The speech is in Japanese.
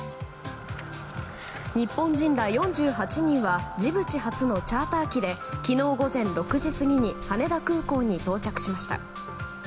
日本人ら４８人はジブチ発のチャーター機で昨日午前６時過ぎに羽田空港に到着しました。